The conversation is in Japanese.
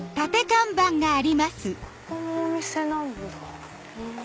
ここもお店なんだ。